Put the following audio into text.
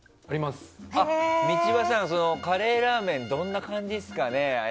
道場さん、カレーラーメンはどんな感じですかね？